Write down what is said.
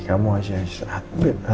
kamu harus istirahat